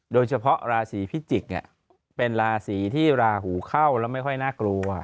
โดยเฉพาะราศีพิจิกเนี่ยเป็นราศีที่ราหูเข้าแล้วไม่ค่อยน่ากลัว